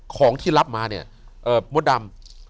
ของที่รับมาเนี่ยมดดำ